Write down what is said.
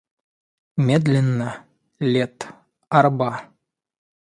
Медленна лет арба.